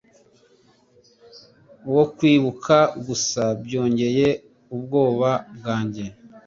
uwo kwibuka gusa byongeye ubwoba bwanjye